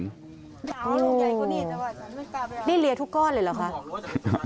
นี่เรียกทุกก้อนเลยเหรอค่ะ